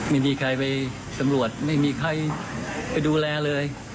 ไม่มีใครไปสำรวจไม่มีใครไปดูแลเลย